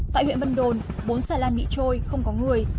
tại huyện vân đồn bốn xà lan bị trôi không có người